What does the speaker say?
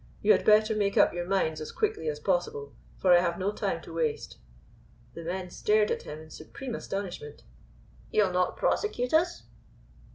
You had better make up your minds as quickly as possible, for I have no time to waste." The men stared at him in supreme astonishment. "You will not prosecute us?"